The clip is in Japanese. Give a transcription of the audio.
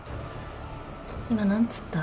今何つった？